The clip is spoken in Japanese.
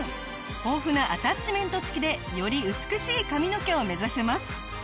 豊富なアタッチメント付きでより美しい髪の毛を目指せます。